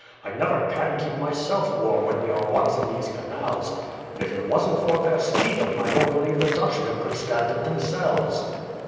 I never can keep myself warm when we are once in these canals. If it wasn't for their schiedam I don't believe the Dutchmen could stand it themselves."